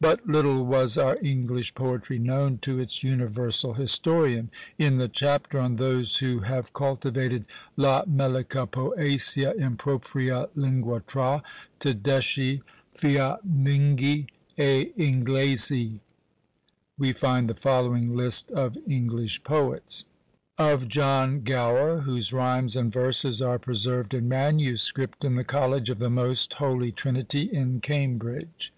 But little was our English poetry known to its universal historian. In the chapter on those who have cultivated "la melica poesia in propria lingua tra, Tedeschi, Fiamminghi e Inglesi," we find the following list of English poets. "Of John Gower; whose rhymes and verses are preserved in manuscript in the college of the most Holy Trinity, in Cambridge.